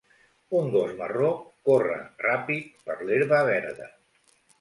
Un gos marró corre ràpid per l'herba verda.